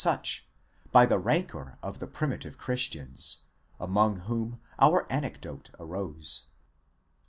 such, by the rancour of the primitive Christians, among whom our anecdote arose.